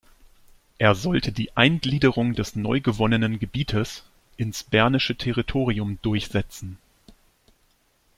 Er sollte die Eingliederung des neu gewonnenen Gebietes ins bernische Territorium durchsetzen.